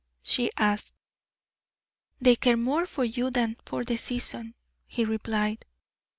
she asked. "They care more for you than for the season," he replied.